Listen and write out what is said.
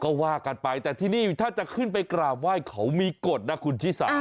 ก็ว่ากันไปแต่ที่นี่ถ้าจะขึ้นไปกราบไหว้เขามีกฎนะคุณชิสา